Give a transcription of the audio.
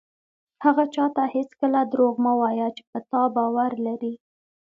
هغه چاته هېڅکله دروغ مه وایه چې په تا باور لري.